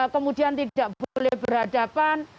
kemudian tidak boleh berhadapan